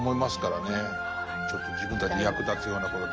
ちょっと自分たちに役立つようなこと